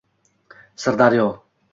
Sirdaryo